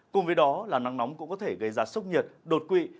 cùng với đó là nắng nóng cũng có thể gây ra sốc nhiệt đột quỵ